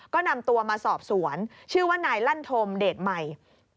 ก็นำตัวมาสอบสวนชื่อว่านายลั่นธมเดชใหม่